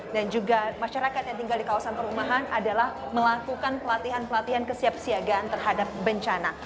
dan juga masyarakat yang tinggal di kawasan perumahan adalah melakukan pelatihan pelatihan kesiapsiagaan terhadap bencana